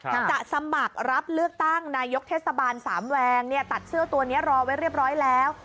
จะสมัครรับเลือกตั้งนายกเทศบาลสามแวงเนี่ยตัดเสื้อตัวนี้รอไว้เรียบร้อยแล้ว